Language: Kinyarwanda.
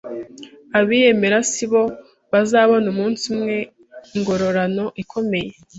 Abiyemera si bo bazabona umunsi umwe ingororano ikomeye